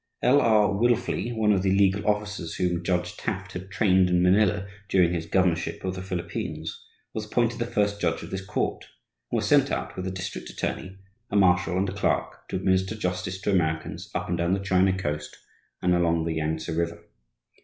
L. R. Wilfley, one of the legal officers whom Judge Taft had trained in Manila during his governorship of the Philippines, was appointed the first judge of this court, and was sent out, with a district attorney, a marshal, and a clerk, to administer justice to Americans up and down the China Coast and along the Yangtse River.